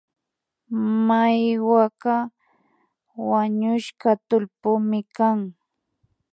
Maiwaka wañushka tullpuymi kan